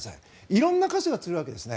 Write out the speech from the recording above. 色んな箇所がつるわけですね。